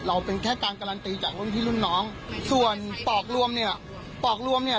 เป็นแค่การการันตีจากรุ่นพี่รุ่นน้องส่วนปอกรวมเนี่ยปอกรวมเนี่ย